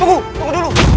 tunggu tunggu dulu